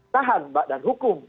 tahan badan hukum